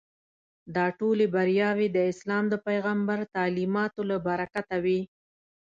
دا ټولې بریاوې د اسلام د پیغمبر تعلیماتو له برکته وې.